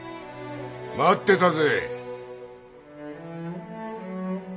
待ってたぜ！